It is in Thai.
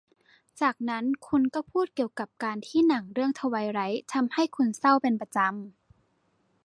จากนั้นคุณก็พูดเกี่ยวกับการที่หนังเรื่องทไวไลท์ทำให้คุณเศร้าเป็นประจำ